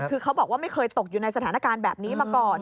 คือเขาบอกว่าไม่เคยตกอยู่ในสถานการณ์แบบนี้มาก่อน